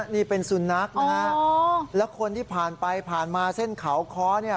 นี่เป็นสุนัขนะฮะแล้วคนที่ผ่านไปผ่านมาเส้นเขาค้อเนี่ย